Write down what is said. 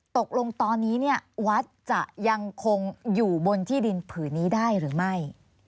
ตกลงตอนนี้วัดจะยังคงอยู่บนที่ดินผืนนี้ได้หรือไม่